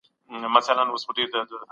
د کوچني دپاره تاسي باید نوې بوټونه وټاکئ.